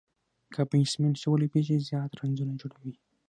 که بيټسمېن ښه ولوبېږي، زیات رنزونه جوړوي.